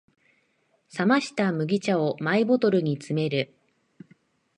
冷ました麦茶をマイボトルに詰める